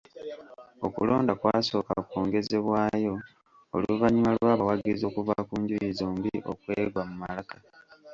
Okulonda kwasooka kwongezebwayo oluvannyuma lw’abawagizi okuva ku njuyi zombi okwegwa mu malaka.